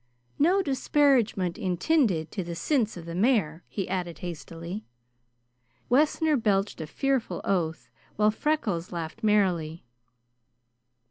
No disparagement intinded to the sinse of the mare!" he added hastily. Wessner belched a fearful oath, while Freckles laughed merrily.